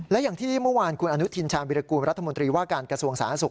และอย่างที่เมื่อวานคุณอนุทินชาญวิรากูลรัฐมนตรีว่าการกระทรวงสาธารณสุข